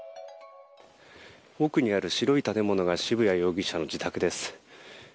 奥にある白い建物が渋谷容疑者の自宅です。